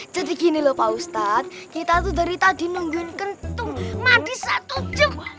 jadi gini lho pak ustadz kita tuh dari tadi nungguin gendut mandi satu jam